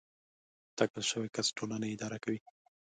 ټاکل شوی کس ټولنه اداره کوي.